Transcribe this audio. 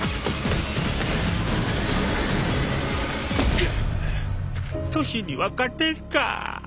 くっ年には勝てんか。